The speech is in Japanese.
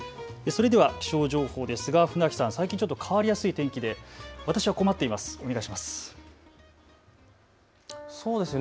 それでは気象情報ですが船木さん、最近ちょっと変わりやすい天気で私は困っています。